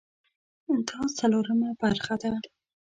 دا څلورمه برخه ده